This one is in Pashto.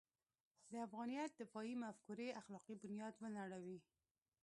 د افغانیت دفاعي مفکورې اخلاقي بنیاد ونړوي.